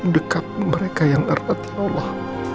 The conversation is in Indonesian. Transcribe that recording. dekat mereka yang erat ya allah